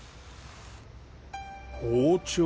包丁？